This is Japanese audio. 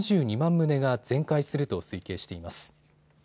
棟が全壊すると推計しています。